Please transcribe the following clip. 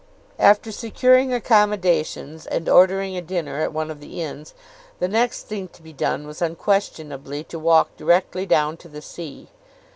After securing accommodations, and ordering a dinner at one of the inns, the next thing to be done was unquestionably to walk directly down to the sea.